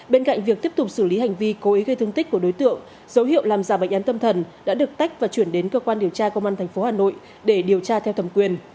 bên cạnh việc tiếp tục xử lý hành vi cố ý gây thương tích của đối tượng dấu hiệu làm giả bệnh án tâm thần đã được tách và chuyển đến cơ quan điều tra công an tp hà nội để điều tra theo thẩm quyền